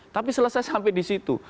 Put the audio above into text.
tapi selesai sampai di situ